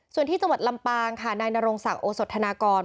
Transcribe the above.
ส่วนที่จังหวัดลำปางค่ะนายนรงศักดิ์โอสธนากร